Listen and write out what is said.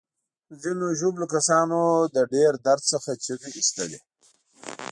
ځینو ژوبلو کسانو له ډیر درد څخه چیغې ایستلې.